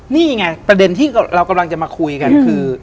นี่ไงประเด็นที่เรากำลังจะมาคุยกันคือ